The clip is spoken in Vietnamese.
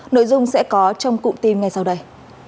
nội dung sẽ có trong cụm tin ngay sau đây